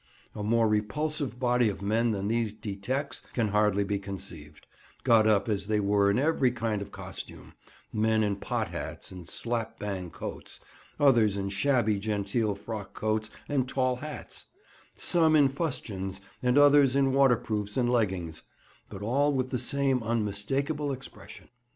A more repulsive body of men than these "detecs" can hardly be conceived, got up as they were in every kind of costume—men in pot hats and slap bang coats, others in shabby genteel frock coats and tall hats; some in fustians and others in waterproofs and leggings, but all with the same unmistakable expression.